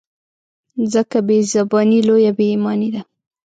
ځکه بې زباني لویه بې ایماني ده.